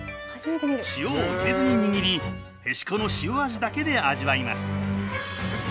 塩を入れずに握りへしこの塩味だけで味わいます。